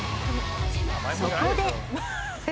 そこで！